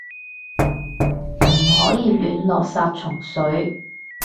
唔可以亂落殺蟲水